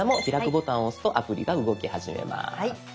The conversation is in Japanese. ボタンを押すとアプリが動き始めます。